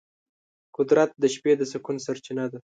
قدرت د شپې د سکون سرچینه ده.